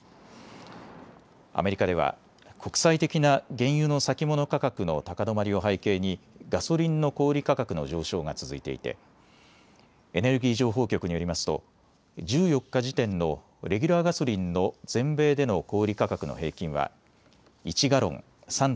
アメリカでは国際的な原油の先物価格の高止まりを背景にガソリンの小売価格の上昇が続いていてエネルギー情報局によりますと１４日時点のレギュラーガソリンの全米での小売価格の平均は１ガロン３．７８